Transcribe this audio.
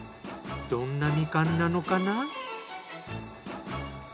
どんなみかんなのかな？